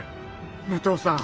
武藤さん